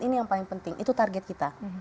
ini yang paling penting itu target kita